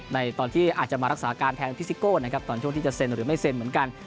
ในตอนที่อาจจะมารักษาการแทนพี่ซิโก้นะครับตอนช่วงที่จะเซ็นหรือไม่เซ็นเหมือนกัน